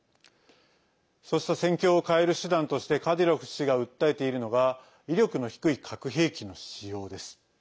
そうした戦況を変える手段としてカディロフ氏が訴えているのが威力の低い核兵器の使用です。